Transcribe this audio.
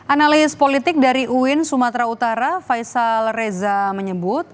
analis politik dari uin sumatera utara faisal reza menyebut